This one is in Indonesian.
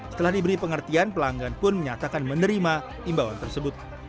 setelah diberi pengertian pelanggan pun menyatakan menerima imbauan tersebut